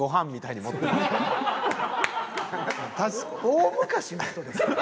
大昔の人ですか？